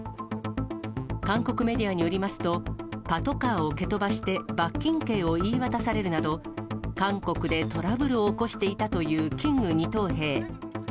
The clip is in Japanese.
韓国メディアによりますと、パトカーを蹴飛ばして、罰金刑を言い渡されるなど、韓国でトラブルを起こしていたというキング２等兵。